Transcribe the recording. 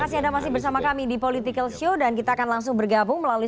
itu silahkan dimas dan juga bagus